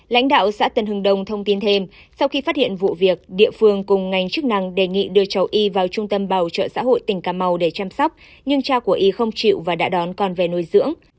lãnh đạo xã tân hưng đồng thông tin thêm sau khi phát hiện vụ việc địa phương cùng ngành chức năng đề nghị đưa cháu y vào trung tâm bảo trợ xã hội tỉnh cà mau để chăm sóc nhưng cha của y không chịu và đã đón con về nuôi dưỡng